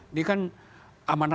ini kan aman